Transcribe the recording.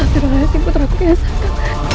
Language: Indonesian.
astaghfirullahaladzim putraku ya satu